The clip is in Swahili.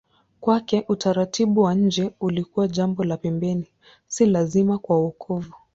Kwake utaratibu wa nje ulikuwa jambo la pembeni, si lazima kwa wokovu.